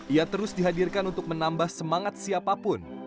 ia terus dihadirkan untuk menambah semangat siapapun